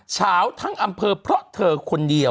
เช้าทั้งอำเภอเพราะเธอคนเดียว